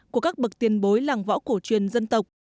của các bậc tiền bối làng võ cổ truyền dân tộc